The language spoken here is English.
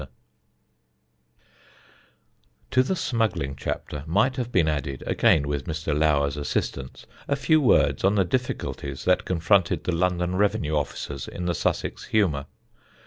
[Sidenote: NICK COSSUM'S HUMOUR] To the smuggling chapter might have been added, again with Mr. Lower's assistance, a few words on the difficulties that confronted the London revenue officers in the Sussex humour.